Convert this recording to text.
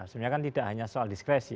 sebenarnya kan tidak hanya soal diskresi